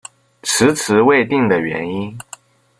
迟迟未定的原因